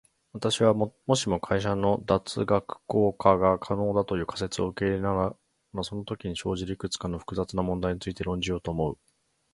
私は、もしも社会の脱学校化が可能だという仮説を受け入れたならそのときに生じるいくつかの複雑な問題について論じようと思う。